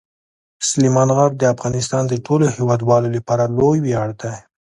سلیمان غر د افغانستان د ټولو هیوادوالو لپاره لوی ویاړ دی.